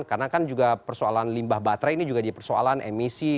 karena kan juga persoalan limbah baterai ini juga di persoalan emisi